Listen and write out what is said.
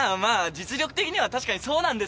実力的には確かにそうなんですけれども。